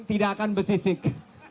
tidak akan bersisik